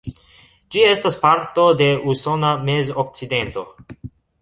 Ĝi estas parto de Usona Mez-Okcidento.